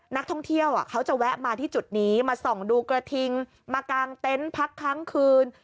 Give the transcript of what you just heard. นักท่องเที่ยวเขาจะแวะมาที่จุดนี้มาส่องดูกระทิงมากางเต็นต์พักค้างคืน